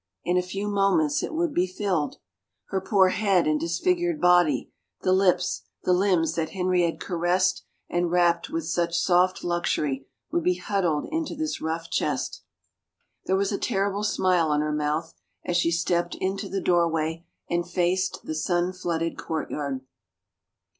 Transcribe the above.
In a few moments it would be filled! Her poor head and disfigured body, the lips, the limbs that Henry had 384 THE END caressed and wrapped with such soft luxury would be huddled into this rough chest. ... There was a terrible smile on her mouth as she stepped into the doorway and faced the sun flooded courtyard.